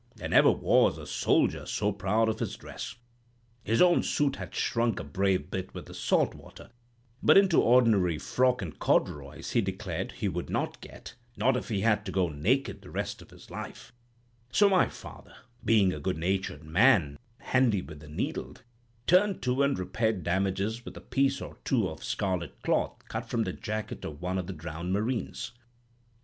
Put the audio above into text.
There never was a soldier so proud of his dress. His own suit had shrunk a brave bit with the salt water; but into ordinary frock an' corduroys he declared he would not get, not if he had to go naked the rest of his life; so my father—being a good natured man, and handy with the needle—turned to and repaired damages with a piece or two of scarlet cloth cut from the jacket of one of the drowned Marines.